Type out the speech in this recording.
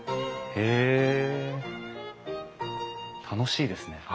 へえ楽しいですね。